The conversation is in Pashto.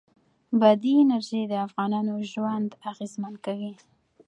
بادي انرژي د افغانانو ژوند اغېزمن کوي.